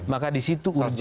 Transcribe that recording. maka disitu urgensi